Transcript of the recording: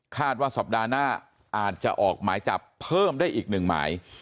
ว่าสัปดาห์หน้าอาจจะออกหมายจับเพิ่มได้อีกหนึ่งหมาย